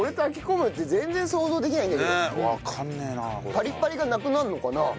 パリパリがなくなるのかな？